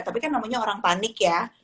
tapi kan namanya orang panik ya